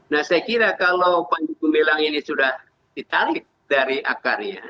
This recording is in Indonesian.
nah saya kira kalau panji gumilang ini sudah ditarik dari akarnya